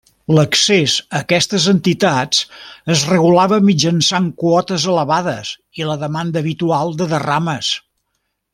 L'accés a aquestes entitats es regulava mitjançant quotes elevades i la demanda habitual de derrames.